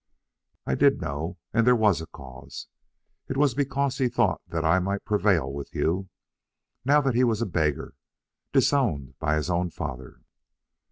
I did know, and there was a cause. It was because he thought that I might prevail with you, now that he was a beggar, disowned by his own father."